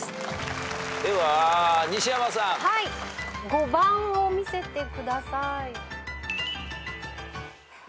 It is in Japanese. ５番を見せてください。